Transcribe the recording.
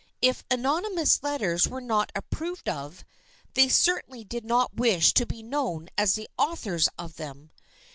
If anonymous letters were not approved of, they certainly did not wish to be known as the authors of them.